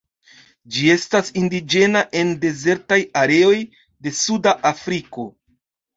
Ĝi estas indiĝena en dezertaj areoj de suda Afriko.